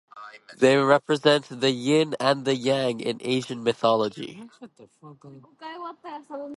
They represent the Yin and the Yang in Asian mythology.